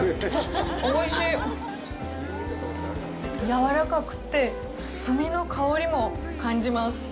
やわらかくて炭の香りも感じます。